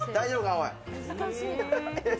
おい。